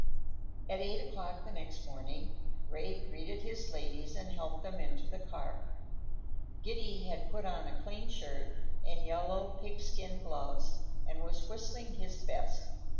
At eight o'clock the next morning Ray greeted his ladies and helped them into the car. Giddy had put on a clean shirt and yellow pig skin gloves and was whistling his best.